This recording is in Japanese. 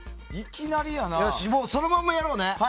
そのままやろうね！